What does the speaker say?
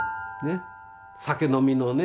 酒飲みのね